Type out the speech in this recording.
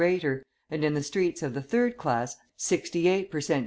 greater, and in the streets of the third class 68 per cent.